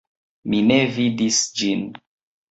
Mi ne vidis ĝin.